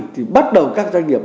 thì bắt đầu các doanh nghiệp